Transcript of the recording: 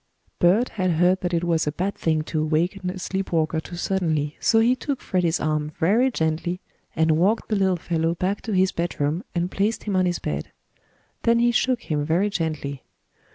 Bert had heard that it was a bad thing to awaken a sleep walker too suddenly, so he took Freddie's arm very gently and walked the little fellow back to his bedroom and placed him on his bed. Then he shook him very gently.